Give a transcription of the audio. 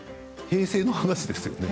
平成の話ですよね？